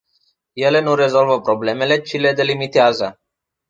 Ele nu rezolvă problemele, ci le delimitează.